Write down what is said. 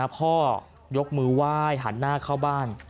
พ่อยกมือไหว้หันหน้าเข้าบ้าน